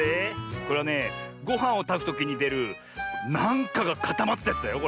これはねごはんをたくときにでるなんかがかたまったやつだよ